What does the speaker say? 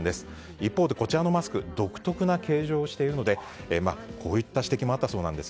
一方、こちらのマスク独特な形状をしているのでこういった指摘もあったそうです。